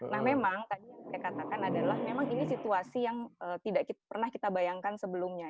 nah memang tadi yang saya katakan adalah memang ini situasi yang tidak pernah kita bayangkan sebelumnya